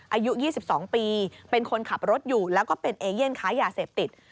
อายุ๒๒ปีเป็นคนขับรถอยู่แล้วก็เป็นเอเย่นค้ายาเสพติด